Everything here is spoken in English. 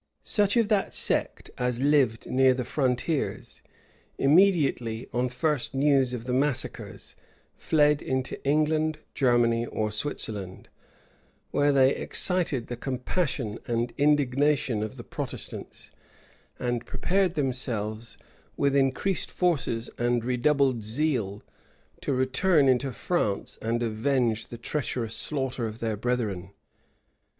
{1573.} Such of that sect as lived near the frontiers, immediately, on the first news of the massacres, fled into England, Germany, or Switzerland; where they excited the compassion and indignation of the Protestants, and prepared themselves, with increased forces and redoubled zeal, to return into France, and avenge the treacherous slaughter of their brethren.